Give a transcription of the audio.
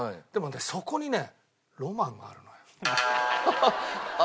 でもねそこにねロマンがあるのよ。